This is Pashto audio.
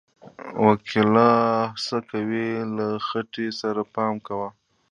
و کلاله څه کوې، له خټې سره پام کوه!